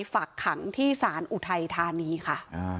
ฝากขังที่ศาลอุทัยธานีค่ะ